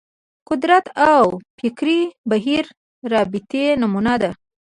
قدرت او فکري بهیر رابطې نمونه ده